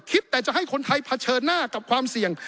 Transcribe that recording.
คิดแต่จะให้คนไทยเผชิญหน้ากับความเสี่ยง